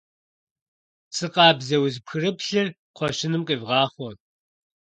Псы къабзэ, узыпхырыплъыр кхъуэщыным къивгъахъуэ.